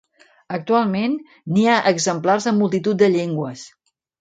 Actualment, n'hi ha exemplars en multitud de llengües.